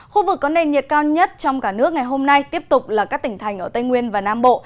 khu vực có nền nhiệt cao nhất trong cả nước ngày hôm nay tiếp tục là các tỉnh thành ở tây nguyên và nam bộ